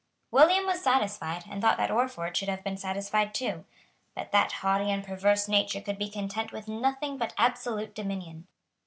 William was satisfied, and thought that Orford should have been satisfied too. But that haughty and perverse nature could be content with nothing but absolute dominion.